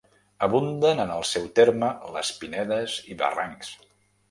Abunden en el seu terme les pinedes i barrancs.